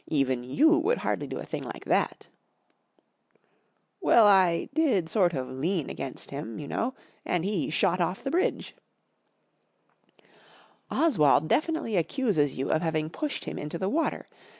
Even you w'Ould hardly do a thing like that/' Well, f did sort of lean against him, you know, and he shot off the bridge/' '"Oswald definitely accuses you of having pushed him into the water.